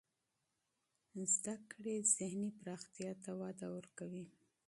تعلیم و ذهني پراختیا ته وده ورکوي.